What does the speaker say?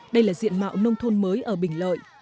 đây là diện mạo nông thôn mới ở bình lợi